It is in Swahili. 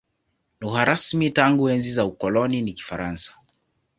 Lugha rasmi tangu enzi za ukoloni ni Kifaransa.